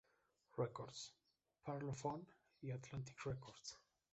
Records, Parlophone y Atlantic Records.